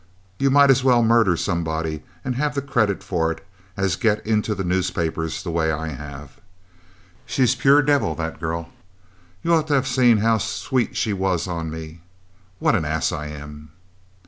You might as well murder somebody and have the credit of it, as get into the newspapers the way I have. She's pure devil, that girl. You ought to have seen how sweet she was on me; what an ass I am."